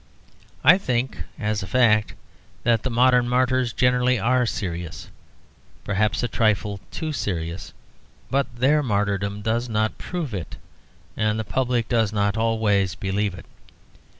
I think, as a fact, that the modern martyrs generally are serious, perhaps a trifle too serious. But their martyrdom does not prove it; and the public does not always believe it.